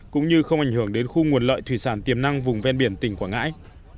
cũng như không ảnh hưởng đến khu nguồn lợi thủy sản tiềm năng vùng ven biển tỉnh quảng ngãi